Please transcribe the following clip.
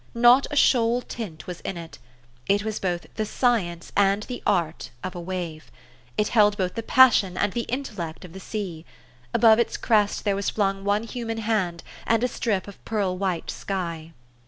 Not a "shoal tint was in it. It was both the science and the art of a wave. It held both the passion and the intellect of the sea. Above its crest there was flung one human hand, and a strip of pearl white sky.